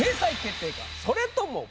それとも。